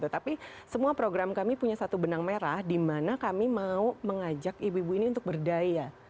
tapi semua program kami punya satu benang merah di mana kami mau mengajak ibu ibu ini untuk berdaya